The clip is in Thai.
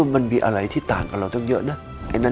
มันมีอะไรที่ต่างกับเราตั้งเยอะนะ